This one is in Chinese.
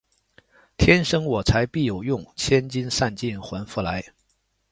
天生我材必有用，千金散尽还复来